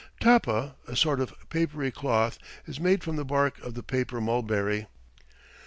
Tapa, a sort of papery cloth, is made from the bark of the paper mulberry.